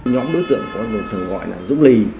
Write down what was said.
nhóm đối tượng có một thường gọi là dũng ly